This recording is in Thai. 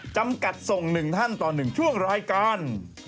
จำกัดส่ง๑ท่านต่อ๑ช่วงรายการ